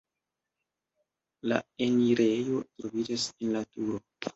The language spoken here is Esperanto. La enirejo troviĝas en la turo.